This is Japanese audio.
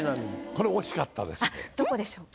これどこでしょうか？